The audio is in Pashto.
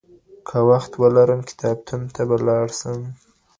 که وخت ولرم کتابتون ته به لاړ سم.